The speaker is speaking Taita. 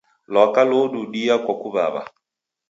Lwaka loududia kwa kuw'aw'a.